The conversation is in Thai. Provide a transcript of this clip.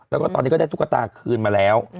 แล้วก็ตอนนี้ก็ได้ตุ๊กตาคืนมาแล้ว